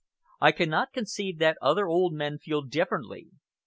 I cannot conceive that other old men feel differently.